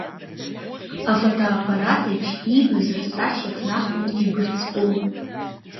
Афотоаппарат еиԥш, иибаз рсахьа ҭнахуан игәырҵҟәыл.